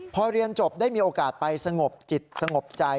พอเรียนจบได้มีโอกาสไปสงบจิตสงบใจ